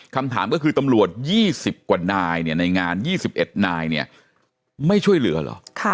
คำถามก็คือตำรวจ๒๐กว่านายในงาน๒๑นายเนี่ยไม่ช่วยเหลือเหรอ